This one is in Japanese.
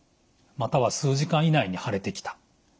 または数時間以内に腫れてきた。